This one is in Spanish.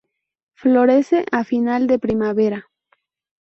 Florece a final de primavera.